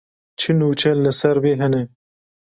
Çi nûçe li ser vê hene.